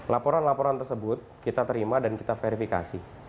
laporan laporan tersebut kita terima dan kita verifikasi